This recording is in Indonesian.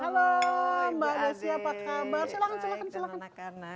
halo mbak desi apa kabar silahkan silahkan silahkan